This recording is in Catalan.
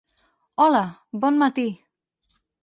Hola, bon matí.